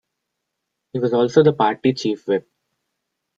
He was also the party Chief Whip.